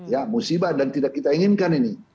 ya musibah dan tidak kita inginkan ini